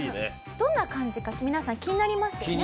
どんな感じか皆さん気になりますよね？